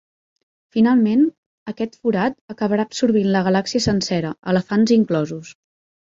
Finalment, aquest forat acabarà absorbint la galàxia sencera, elefants inclosos.